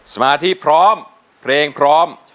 สมาธิพร้อมเพลงพร้อม